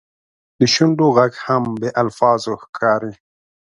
د شونډو ږغ هم بې الفاظو ښکاري.